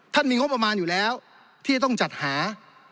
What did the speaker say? มีงบประมาณอยู่แล้วที่จะต้องจัดหา